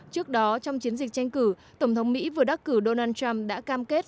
trước đó trong chiến dịch tranh cử tổng thống mỹ vừa đắc cử donald trump đã cam kết